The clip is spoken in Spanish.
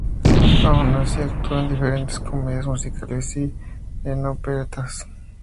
Aun así, actuó en diferentes comedias musicales y en operetas.